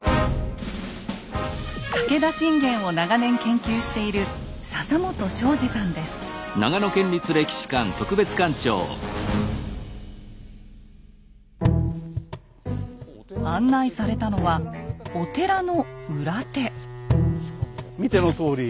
武田信玄を長年研究している案内されたのはお寺の裏手。